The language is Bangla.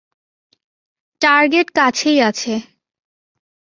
টার্গেট কাছেই আছে।